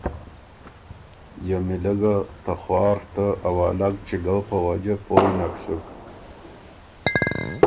جمیلۀ ګه ته خوار ته اوالګ چِګؤ په وجه پویۡ نک سُک،